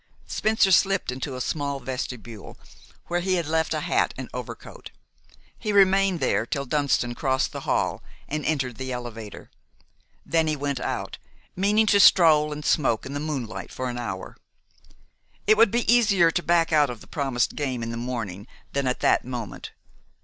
Spencer slipped into a small vestibule where he had left a hat and overcoat. He remained there till Dunston crossed the hall and entered the elevator. Then he went out, meaning to stroll and smoke in the moonlight for an hour. It would be easier to back out of the promised game in the morning than at that moment.